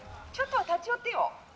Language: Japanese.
ちょっとは立ち寄ってよ」。